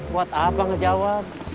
buat apa ngejawab